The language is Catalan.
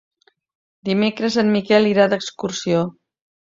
Dimecres en Miquel irà d'excursió.